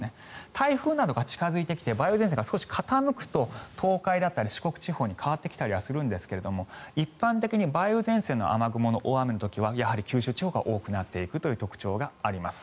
台風などが近付いてきて梅雨前線が少し傾くと東海だったり四国地方に変わってきたりしますが一般的に梅雨前線の雨雲の大雨の時はやはり九州地方が多くなっていくという特徴があります。